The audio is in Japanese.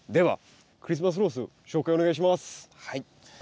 はい。